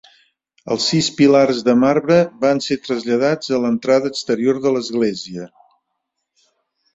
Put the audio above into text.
Els sis pilars de marbre van ser traslladats a l'entrada exterior de l'església.